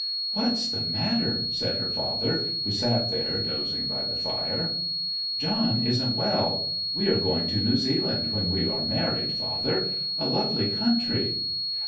'What's the matter?' said her father, who sat there dozing by the fire. 'John isn't well ... We are going to New Zealand when we are married, father. A lovely country!